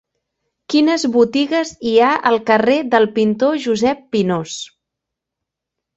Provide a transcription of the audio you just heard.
Quines botigues hi ha al carrer del Pintor Josep Pinós?